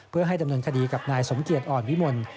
เพื่อให้ดำเนินคดีกับนายสมเกียจอ่อนวิมล